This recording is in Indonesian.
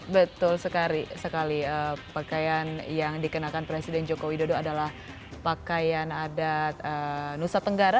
betul sekali sekali pakaian yang dikenakan presiden joko widodo adalah pakaian adat nusa tenggara